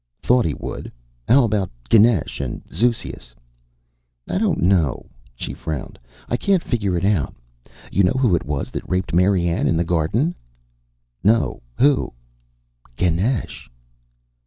"Thought he would. How about Ganesh and Zeuxias?" "I don't know." She frowned. "I can't figure it out. You know who it was that raped Marianne in the garden?" "No, who?" "Ganesh."